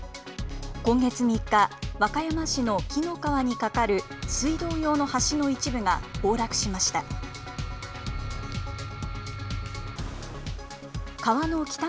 今月３日、和歌山市の紀の川に架かる水道用の橋の一部が崩落しました。